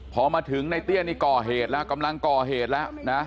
พอมาถึงในเตี้ยนี่ก่อเหตุแล้วกำลังก่อเหตุแล้วนะ